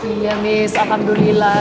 iya miss alhamdulillah